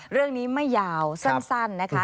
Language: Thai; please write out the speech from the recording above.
เรื่องนี้ไม่ยาวสั้นนะคะ